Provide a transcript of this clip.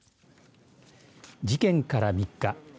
事件から３日。